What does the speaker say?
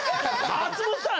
松本さん！